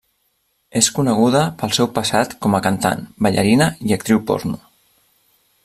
És coneguda pel seu passat com a cantant, ballarina i actriu porno.